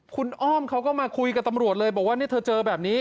คุณอ้อมเขาก็มาคุยกับตำรวจเลยบอกว่าเธอเจอแบบนี้